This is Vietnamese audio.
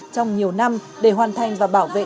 trong nhiều năm để hoàn thành và bảo vệ